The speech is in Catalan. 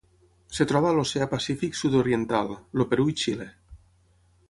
Es troba a l'Oceà Pacífic sud-oriental: el Perú i Xile.